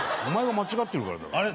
お前が間違ってるからだろ。